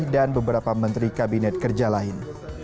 dan beberapa menteri kabinet kerja lain